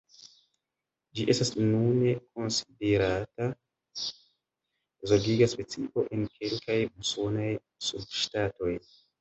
Ĝi estas nune konsiderata zorgiga specio en kelkaj usonaj subŝtatoj.